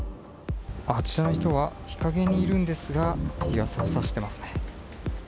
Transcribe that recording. あちらの人は、日陰にいるんですが、日傘を差していますね。